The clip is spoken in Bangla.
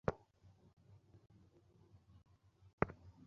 হ্যাঁ, আমরা প্রদর্শন করতে চলেছি মহান দেবতাদের ক্ষমতা।